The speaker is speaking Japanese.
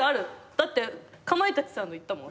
だってかまいたちさんの行ったもん。